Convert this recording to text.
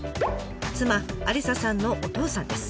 妻ありささんのお父さんです。